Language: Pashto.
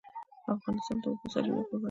افغانستان د د اوبو سرچینې کوربه دی.